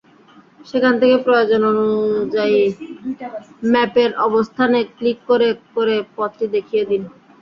সেখান থেকে প্রয়োজন অনুযায়ী ম্যাপের অবস্থানে ক্লিক করে করে পথটি দেখিয়ে দিন।